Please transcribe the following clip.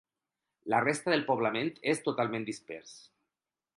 La resta del poblament és totalment dispers.